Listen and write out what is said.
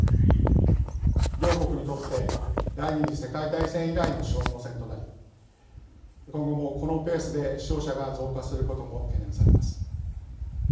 両国にとって第２次世界大戦以来の消耗戦となり今後もこのペースで死傷者が増加することも懸念されます。